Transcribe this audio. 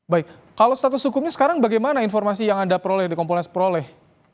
baik kalau status hukumnya sekarang bagaimana informasi yang anda peroleh di kompolnas peroleh